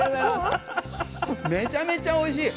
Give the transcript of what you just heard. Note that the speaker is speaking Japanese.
めちゃめちゃおいしい。